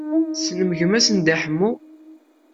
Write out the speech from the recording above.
Tessnemt gma-s n Dda Ḥemmu?